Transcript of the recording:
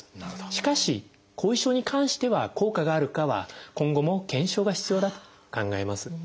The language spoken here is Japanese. しかし後遺症に関しては効果があるかは今後も検証が必要だと考えます。